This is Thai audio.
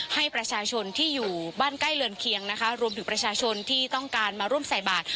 ให้ประชาชนที่อยู่บ้านใกล้เรือนเคียงนะคะรวมถึงประชาชนที่ต้องการมาร่วมใส่บาท